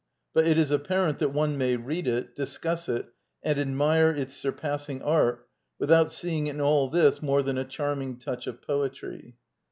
But it is apparent that one may read it, discuss it and admire its sur passing art without seeing in all this more than a charming touch of poetry.